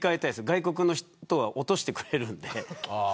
外国の人は落としてくれるんで。